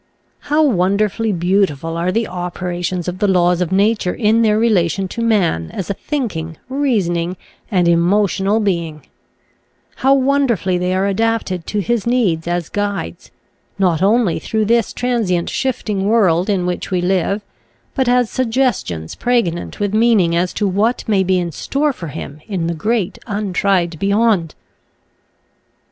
How wonderfully beautiful are the opera tions of the laws of nature in their relation to man as a thinking, reasoning, and emotional being ! How wonderfully they are adapted to his needs as guides, not only throu^i this transient shifting world in which we live, but as suggestions pregnant with meaning as to , i . Original from UNIVERSITY OF WISCONSIN Xlgbt a«D JEtbct. 179 what may be in store for him in the great untried beyond!